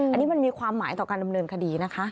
อันนี้มันมีความหมายต่อการดำเนินคดีนะคะ